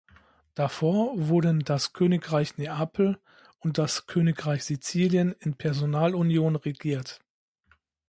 Davor wurden das Königreich Neapel und das Königreich Sizilien in Personalunion regiert.